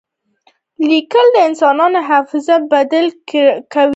لیکل د انسان حافظه بدل کړه.